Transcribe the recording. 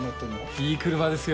いい車ですよ。